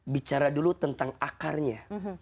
bicara dulu tentang akarnya